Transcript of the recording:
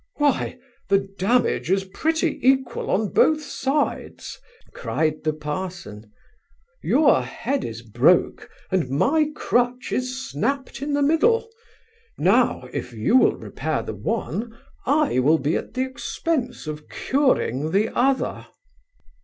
'Why, the damage is pretty equal on both sides (cried the parson); your head is broke, and my crutch is snapt in the middle. Now, if you will repair the one, I will be at the expence of curing the other.